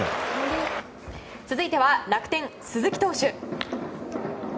続いては楽天、鈴木投手。